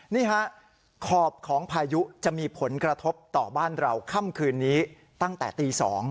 นี่ฮะขอบของพายุจะมีผลกระทบต่อบ้านเราค่ำคืนนี้ตั้งแต่ตี๒